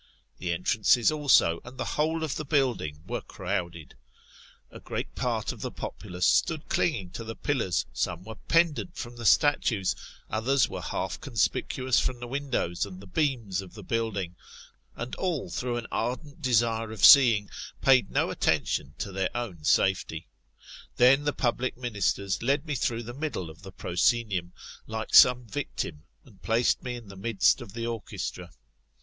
The entrances also, and the whole of the building, were crowded. A great part of the populace stood clinging to the pillars; some were pendant from the statues; others were half conspicuous from the windows and the beams of the building ; and all through an ardent desire of seeing [what would be the issue of the affair], paid no attention to their own safety. Then the public ministers led me through the middle of the proscenium, like some victim, and placed me in the midst of the orchestra.